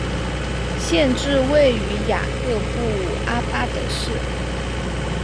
县治位于雅各布阿巴德市。